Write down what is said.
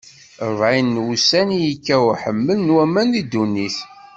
Ṛebɛin n wussan i yekka uḥemmal n waman di ddunit.